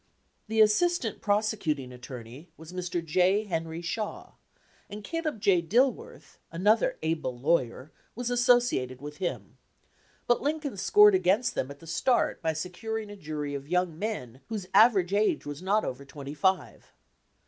The assistant prosecuting attorney was Mr. J. Henry Shaw, and Caleb J. Dillworth, another able lawyer, was associated with him, but Lin coln scored against them at the start by securing a jury of young men whose average age was not over twenty five.